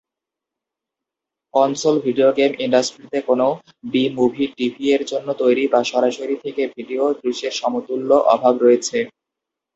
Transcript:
Console video game ইন্ডাস্ট্রিতে কোনও B movie, টিভি-এর জন্য তৈরি, বা সরাসরি-থেকে-ভিডিও দৃশ্যের সমতুল্য অভাব রয়েছে।